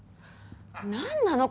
何なの？